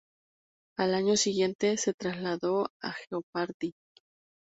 Al año siguiente, se trasladó a "Jeopardy!